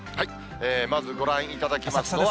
まずご覧いただきますのは。